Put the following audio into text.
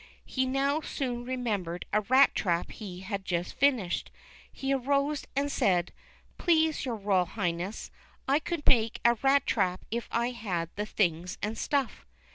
He now soon remembered a rat trap he had just finished. He arose and said, Please, Your Royal Highness, I could make a rat trap if I had the things and stuff."